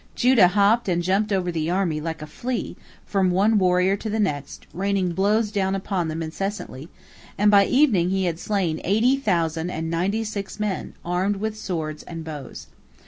Judah hopped and jumped over the army like a flea, from one warrior to the next, raining blows down upon them incessantly, and by evening he had slain eighty thousand and ninety six men, armed with swords and bows.